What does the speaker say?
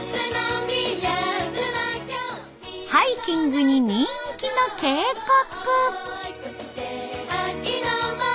ハイキングに人気の渓谷。